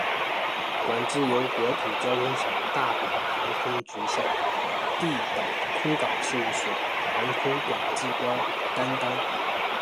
管制由国土交通省大阪航空局下地岛空港事务所航空管制官担当。